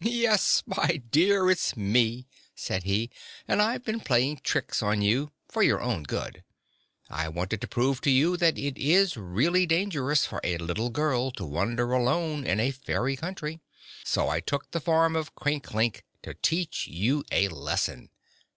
"Yes, my dear, it's me," said he, "and I've been playing tricks on you for your own good. I wanted to prove to you that it is really dangerous for a little girl to wander alone in a fairy country; so I took the form of Crinklink to teach you a lesson.